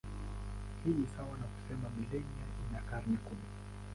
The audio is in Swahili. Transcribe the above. Hii ni sawa na kusema milenia ina karne kumi.